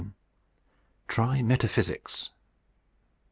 VII. TRY METAPHYSICS.